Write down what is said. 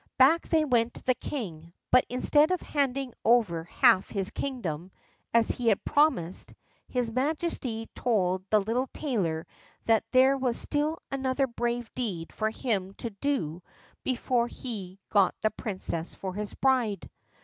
Back they went to the king, but instead of handing over half his kingdom, as he had promised, his majesty told the little tailor that there was still another brave deed for him to do before he got the princess for his bride.